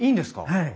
はい。